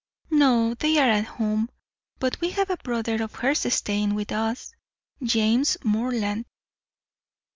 "No, they are at home; but we have a brother of hers staying with us James Morland.